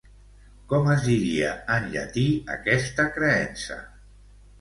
Com es diria en llatí aquesta creença?